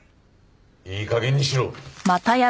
いい加減にしろ。